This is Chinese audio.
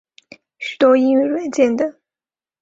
许多应用软件等。